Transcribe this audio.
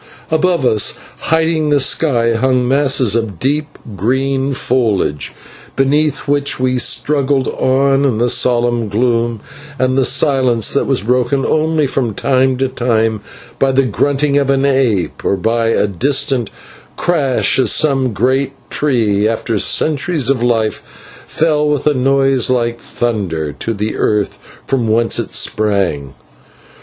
Above us, hiding the sky, hung masses of deep green foliage, beneath which we struggled on in the solemn gloom and the silence that was broken only from time to time by the grunting of an ape, or by a distant crash, as some great tree, after centuries of life, fell with a noise like thunder to the earth from whence it sprang.